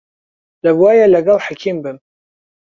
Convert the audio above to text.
دەبوایە لەگەڵ حەکیم بم.